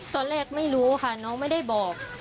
ตอนแรกไม่รู้ค่ะน้องไม่ได้บอก